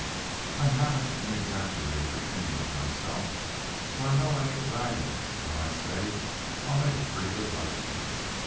"I haven't an exaggerated opinion of myself, so I know I ain't bragging when I say I'll make a pretty good husband.